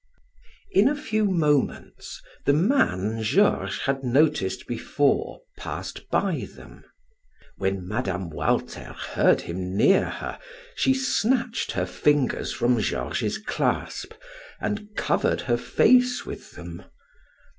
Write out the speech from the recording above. In a few moments the man Georges had noticed before passed by them. When Mme. Walter heard him near her, she snatched her fingers from Georges's clasp and covered her face with them.